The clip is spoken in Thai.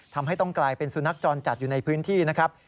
ทำให้ต้องกลายเป็นสุนัขจรจัดอยู่ในพื้นที่นะครับ